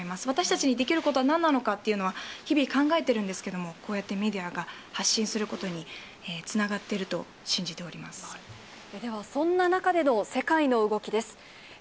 私たちにできることは何なのかっていうことは、日々考えてるんですけれども、こうやってメディアが発信することにつながっていると信じておりでは、そんな中での世界の動きです。